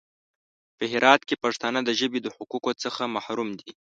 په هرات کې پښتانه د ژبې د حقوقو څخه محروم دي.